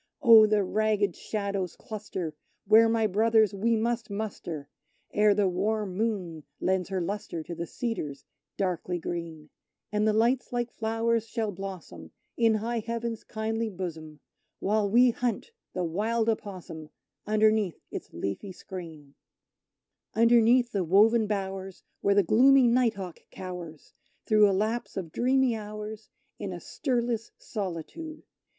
Oh! the ragged shadows cluster where, my brothers, we must muster Ere the warm moon lends her lustre to the cedars darkly green; And the lights like flowers shall blossom, in high Heaven's kindly bosom, While we hunt the wild opossum, underneath its leafy screen; Underneath the woven bowers, where the gloomy night hawk cowers, Through a lapse of dreamy hours, in a stirless solitude!